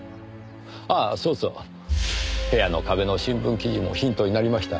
ああそうそう部屋の壁の新聞記事もヒントになりました。